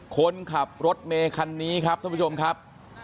คนขับรถเมคันนี้ครับท่านผู้ชมครับ